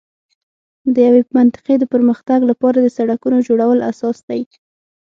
د یوې منطقې د پر مختګ لپاره د سړکونو جوړول اساس دی.